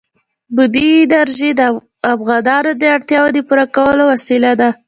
بادي انرژي د افغانانو د اړتیاوو د پوره کولو وسیله ده.